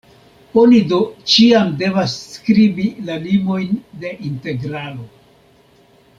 Oni do ĉiam devas skribi la limojn de integralo.